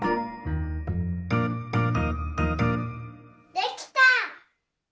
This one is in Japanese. できた！